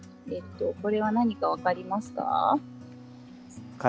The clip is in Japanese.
これは何か分かりますか？